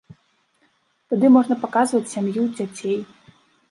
Тады можна паказваць сям'ю, дзяцей.